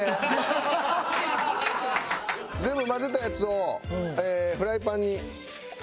全部混ぜたやつをフライパンに。